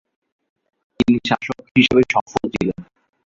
তিনি শাসক হিসেবে সফল ছিলেন।